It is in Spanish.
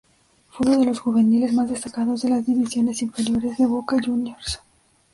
Fue uno de los juveniles más destacados de las divisiones inferiores de Boca Juniors.